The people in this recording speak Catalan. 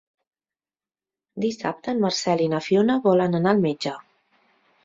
Dissabte en Marcel i na Fiona volen anar al metge.